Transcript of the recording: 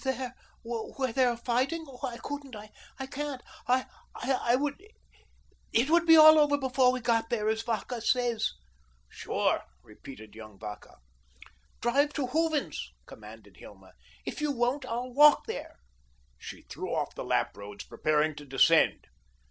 "There, where they are fighting? Oh, I couldn't. I I can't. It would be all over before we got there as Vacca says." "Sure," repeated young Vacca. "Drive to Hooven's," commanded Hilma. "If you won't, I'll walk there." She threw off the lap robes, preparing to descend.